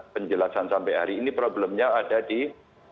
penjelasan sampai hari ini problemnya ada di